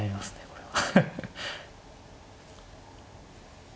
これは。